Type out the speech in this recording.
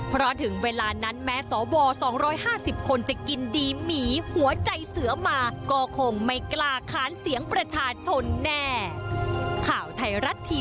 เพราะถึงเวลานั้นแม้สว๒๕๐คนจะกินดีหมีหัวใจเสือมาก็คงไม่กล้าค้านเสียงประชาชนแน่